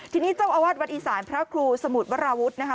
ทีนี้เจ้าอาวาสวัดอีสานพระครูสมุทรวราวุฒินะคะ